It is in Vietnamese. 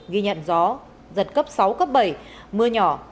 ghi nhận gió giật cấp sáu cấp bảy mưa nhỏ